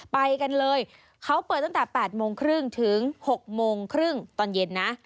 ไปกันเลยเขาเปิดตั้งแต่๘โมงครึ่งถึง๖โมงครึ่งตอนเย็นนะ